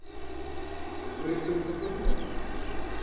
Уэри сэ укъысхуэныкъуэкъым.